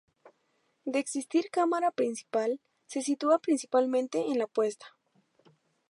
De existir cámara principal, se sitúa principalmente en la opuesta.